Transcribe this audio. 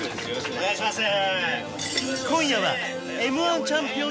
お願いします